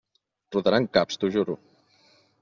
Rodaran caps, t'ho juro!